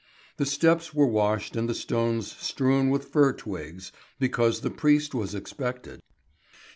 The steps were washed and the stones strewn with fir twigs, because the priest was expected.